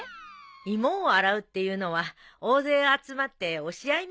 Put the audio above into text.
芋を洗うっていうのは大勢集まって押し合いみたいになることの例えよ。